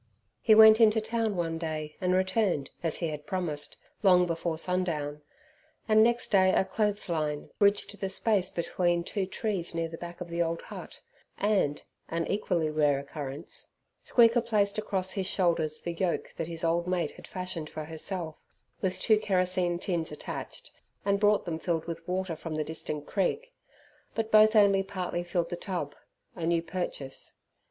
He went into town one day and returned, as he had promised, long before sundown, and next day a clothesline bridged the space between two trees near the back of the old hut; and an equally rare occurrence Squeaker placed across his shoulders the yoke that his old mate had fashioned for herself, with two kerosene tins attached, and brought them filled with water from the distant creek; but both only partly filled the tub, a new purchase.